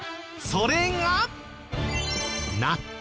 それが。